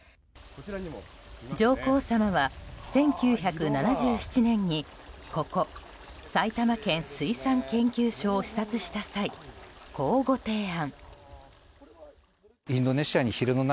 上皇さまは１９７７年にここ埼玉県水産研究所を視察した際、こうご提案。